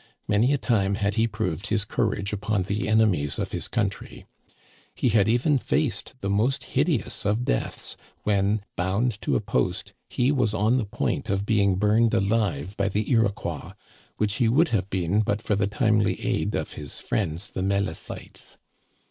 Many a time had he proved his cour age upon the enemies of his country. He had even faced the most hideous of deaths, when, bound to a post, he was on the point of being burned alive by the Iroquois, which he would have been but for the timely aid of his friends the Melicites.